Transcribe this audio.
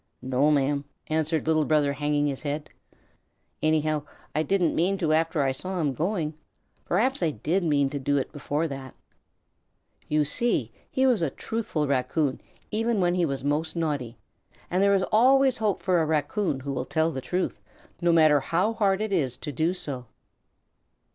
"No, ma'am," answered Little Brother, hanging his head. "Anyhow I didn't mean to after I saw him going. Perhaps I did mean to before that." You see he was a truthful Raccoon even when he was most naughty, and there is always hope for a Raccoon who will tell the truth, no matter how hard it is to do so.